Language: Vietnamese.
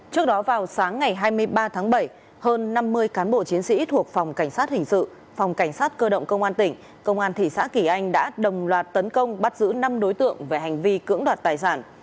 trước đó vào sáng ngày hai mươi ba tháng bảy hơn năm mươi cán bộ chiến sĩ thuộc phòng cảnh sát hình sự phòng cảnh sát cơ động công an tỉnh công an thị xã kỳ anh đã đồng loạt tấn công bắt giữ năm đối tượng về hành vi cưỡng đoạt tài sản